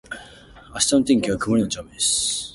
明日の天気は曇りのち雨です